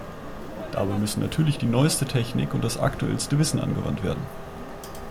Dabei müssen natürlich die neueste Technik und das aktuellste Wissen angewandt werden.